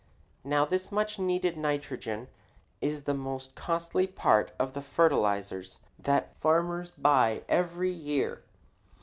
Now this much needed nitrogen is the most costly part of the fertilizers that farmers buy every year.